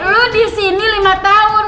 lo disini lima tahun